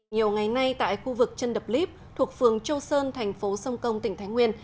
nhiều ngày nay tại khu vực chân đập lip thuộc phường châu sơn thành phố sông công tỉnh thái nguyên